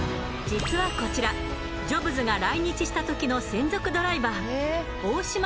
実はこちらジョブズが来日した時の専属ドライバー。